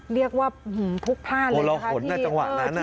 เรียกว่าพลุกพลาดเลยนะคะ